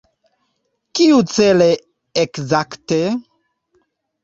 Kiucele ekzakte?